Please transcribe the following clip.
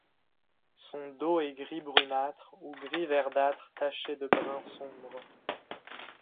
Son dos est gris brunâtre ou gris verdâtre taché de brun sombre.